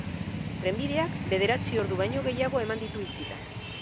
Trenbideak bederatzi ordu baino gehiago eman ditu itxita.